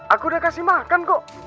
aku udah kasih makan kok